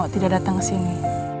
tidak datang kesini